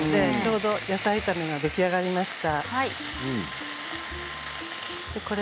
ちょうど野菜炒めも出来上がりました。